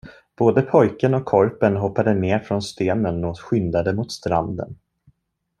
Både pojken och korpen hoppade ner från stenen och skyndade mot stranden.